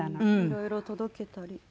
いろいろ届けたり。